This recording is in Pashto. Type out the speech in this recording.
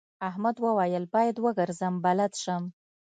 احمد وويل: باید وګرځم بلد شم.